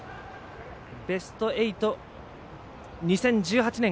ベスト８、２０１８年。